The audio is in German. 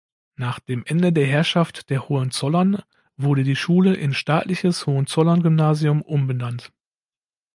Nach dem Ende der Herrschaft der Hohenzollern wurde die Schule in „Staatliches Hohenzollern-Gymnasium“ umbenannt.